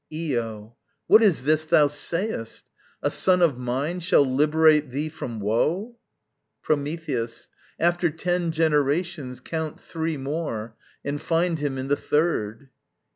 Io. What is this thou sayest? A son of mine shall liberate thee from woe? Prometheus. After ten generations, count three more, And find him in the third.